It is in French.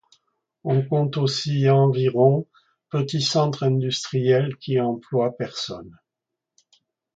On compte aussi environ petits centres industriels qui emploient personnes.